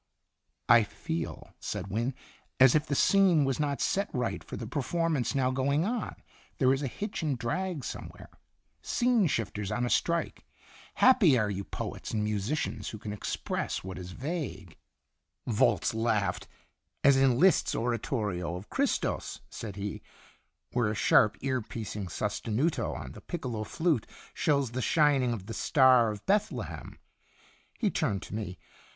" I feel," said Wynne, " as if the scene was not set right for the performance now going on. There is a hitch and drag somewhere scene shifters on a strike. Happy are you poets and musicians, who can express what is vague." 12 Qtn Itinerant Volz laughed. "As in Liszt's oratorio of 'Christus,'" said he, " where a sharp, ear piercing sostenuto on the piccolo flute shows the shining of the star of Bethlehem." He turned to me.